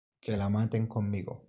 Que la maten conmigo!